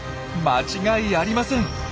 間違いありません。